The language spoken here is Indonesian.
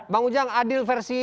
bang ujang adil versi